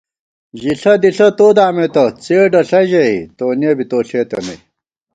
ژِݪہ دِݪہ تو دامېتہ څېڈہ ݪہ ژَئی، تونیَہ بی تو ݪېتہ نئ